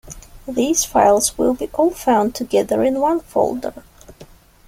These files will be all found together in one folder.